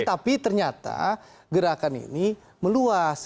tapi ternyata gerakan ini meluas